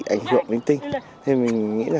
ảnh hưởng linh tinh thì mình nghĩ là